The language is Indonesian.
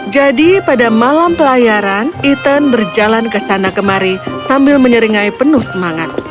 jadi pada malam pelayaran ethan berjalan ke sana kemari sambil menyeringai penuh semangat